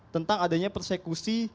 tentang adanya persekusi